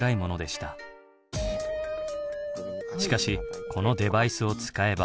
しかしこのデバイスを使えば。